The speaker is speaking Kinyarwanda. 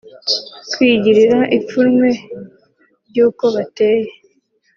Kwigirira ipfunwe ry’uko bateye